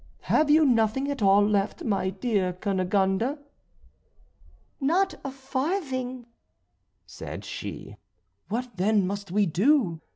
Have you nothing at all left, my dear Cunegonde?" "Not a farthing," said she. "What then must we do?"